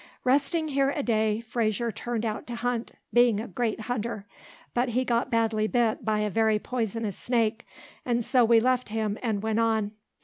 Resting here a day, Frazier turned out to hunt, being a great hunter; but he got badly bit by a very poisonous snake, and so we left him and went on.